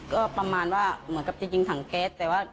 ก็ประมาณว่าจะยิงถังแก๊ส